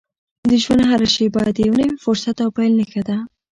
د ژوند هره شېبه د یو نوي فرصت او پیل نښه ده.